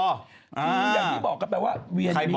อย่างที่บอกก็แปลว่าเวียจะมี